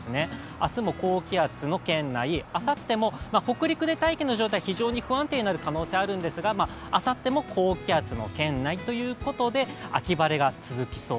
明日も高気圧の圏内あさっても北陸で大気の状態非常に不安定になる可能性もあるんですけどあさっても高気圧の圏内ということで秋晴れが続きそう。